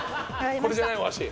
これじゃないお箸。